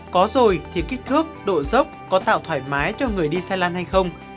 có rồi thì kích thước độ dốc có tạo thoải mái cho người đi xe lăn hay không